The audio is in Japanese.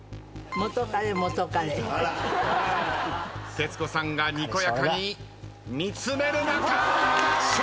徹子さんがにこやかに見つめる中勝利。